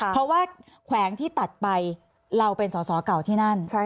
เพราะว่าแขวงที่ตัดไปเราเป็นสอสอเก่าที่นั่น